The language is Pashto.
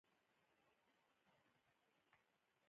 په يو يا دوو کلونو کې سړکونه ورانېږي.